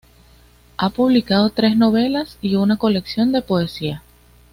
Ha publicado tres novelas y una colección de poesía.